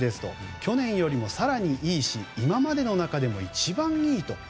去年よりも更にいいし今までの中でも一番いいと。